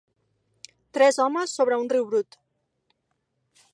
Tres homes sobre un riu brut.